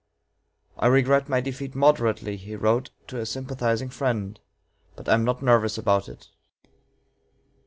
"I regret my defeat moderately," he wrote to a sympathizing friend, "but I am not nervous about it."